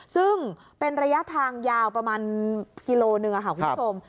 ซึ่งเป็นระยะทางยาวประมาณกิโลหนึ่งค่ะคุณผู้ชม